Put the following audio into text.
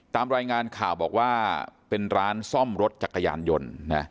ตามรายงานข่าวบอกว่าเป็นร้านซ่อมรถจักรยานยนต์นะ